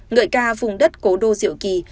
ngợi ca vùng đất cố đô diệu kỳ